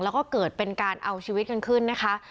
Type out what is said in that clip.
แล้วก็เกิดเป็นการเอาชีวิตกันขึ้นนะคะ